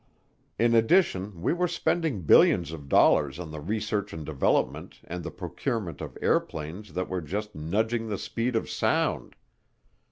In addition, we were spending billions of dollars on the research and development and the procurement of airplanes that were just nudging the speed of sound.